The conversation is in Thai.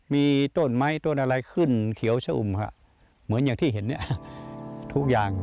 มีต้นไม้ต้นอะไรขึ้นเขียวชะอุ่มฮะเหมือนอย่างที่เห็นเนี่ยทุกอย่าง